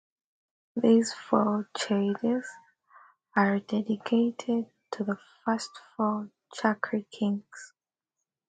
These four "chedis" are dedicated to the first four Chakri kings.